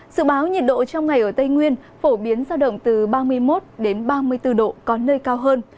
sự báo nhiệt độ trong ngày ở tây nguyên phổ biến giao động từ ba mươi một ba mươi bốn độ có nơi cao hơn